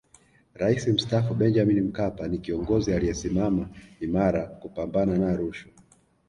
Rais Mstaafu Benjamin Mkapa ni kiongozi aliyesimama imara kupambana na rushwa